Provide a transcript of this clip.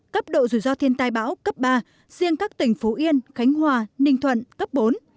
cấp độ rủi ro thiên tai bão cấp ba riêng các tỉnh phú yên khánh hòa ninh thuận cấp bốn